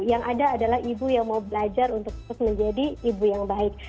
yang ada adalah ibu yang mau belajar untuk terus menjadi ibu yang baik